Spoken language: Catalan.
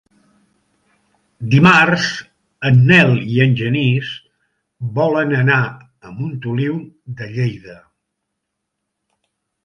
Dimarts en Nel i en Genís volen anar a Montoliu de Lleida.